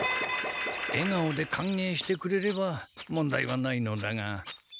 えがおでかんげいしてくれれば問題はないのだが。